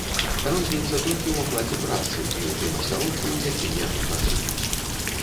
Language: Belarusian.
Розніца толькі ў аплаце працы і ў тым асяродку, у якім яны працуюць.